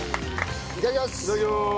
いただきます！